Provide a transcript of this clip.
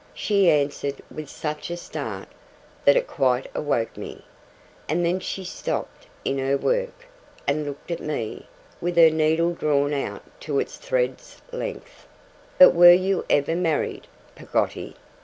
She answered with such a start, that it quite awoke me. And then she stopped in her work, and looked at me, with her needle drawn out to its thread's length. 'But WERE you ever married, Peggotty?